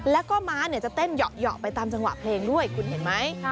แล้วก็ม้าจะเต้นเหยาะไปตามจังหวะเพลงด้วยคุณเห็นไหม